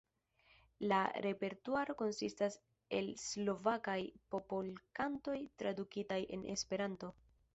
La repertuaro konsistas el Slovakaj popolkantoj tradukitaj en Esperanto.